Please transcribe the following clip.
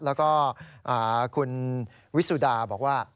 แล้วก็คุณวิสุดาบอกว่า